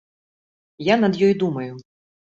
Я над ёй думаю.